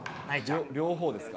両方ですか。